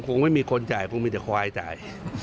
คงไม่มีคนจ่ายคงมีแต่ควายจ่าย